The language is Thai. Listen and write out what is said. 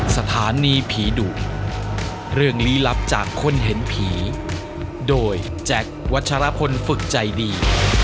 สถานีผีดุเรื่องลี้ลับจากคนเห็นผีโดยแจ็ควัชรพลฝึกใจดี